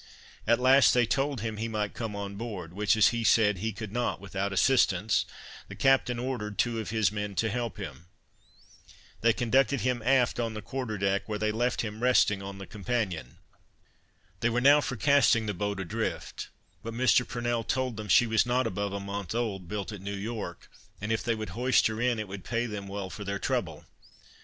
At last they told him he might come on board; which as he said, he could not without assistance, the captain ordered two of his men to help him. They conducted him aft on the quarter deck, where they left him resting on the companion. They were now for casting the boat adrift, but Mr. Purnell told them she was not above a month old, built at New York, and if they would hoist her in, it would pay them well for their trouble.